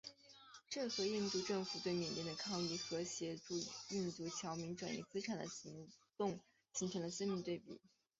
这和印度政府对缅甸的抗议和协助印度侨民转移资产的行动形成了鲜明对比。